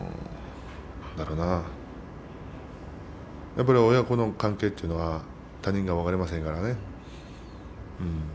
やっぱり親子の関係というのは他人には分かりませんからね。